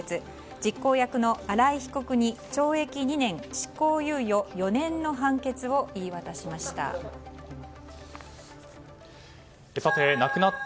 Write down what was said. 実行役の新井被告に懲役２年、執行猶予４年の判決を言い渡しました。